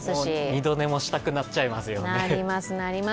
二度寝もしたくなっちゃいますよね。